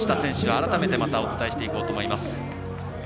改めて、またお伝えしていこうと思います。